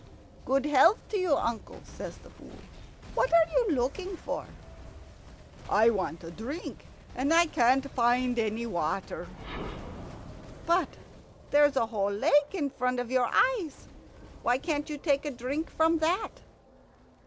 "Good health to you, uncle," says the Fool. "What are you looking for?" "I want a drink, and I can't find any water." "But there's a whole lake in front of your eyes. Why can't you take a drink from that?"